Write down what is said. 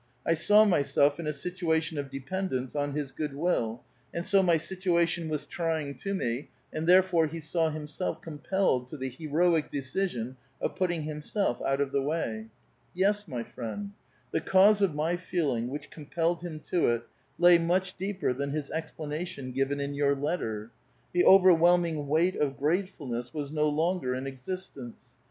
I saw myself in a situation of dependence on his good will, and so mj' situation was trying to me, and therefore he saw himself compelled to the heroic decision of putting himself out of the way. Yes, my friend, the cause of my feeling, which ctompelled him to it, lay much deeper than his explanation given in your letter. The overwhelming weight of grate fulness was no lonorcr in existence.